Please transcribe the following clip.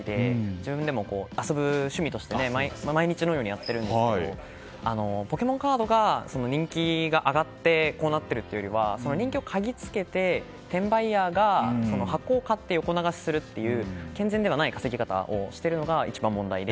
自分でも遊ぶ趣味として毎日のようにやっているんですがポケモンカードの人気が上がってこうなっているというよりその人気をかぎつけて転売ヤーが箱を買って横流しするという健全ではない稼ぎ方をしているのが一番問題で。